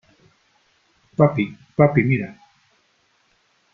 ¡ papi !¡ papi , mira !